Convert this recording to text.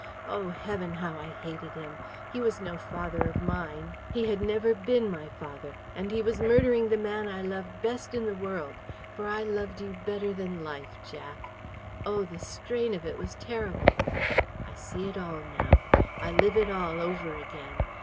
Oh, heaven, how I hated him! He was no father of mine. He had never been my father. And he was murdering the man I loved best in the world. For I loved you better than life, Jack! Oh, the strain of it was terrible! I see it all now. I live it all over again.